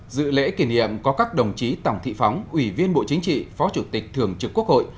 dự lễ kỷ niệm có các đồng chí tổng thị phóng ủy viên bộ chính trị phó chủ tịch thường trực quốc hội